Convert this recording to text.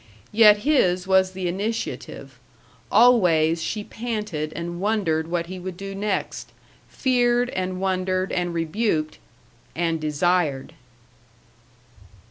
Yet his was the initiative; always she panted and wondered what he would do next, feared and wondered and rebuked and desired.